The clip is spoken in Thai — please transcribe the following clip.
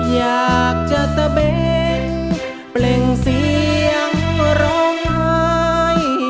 อยากจะตะเบนเปล่งเสียงร้องไห้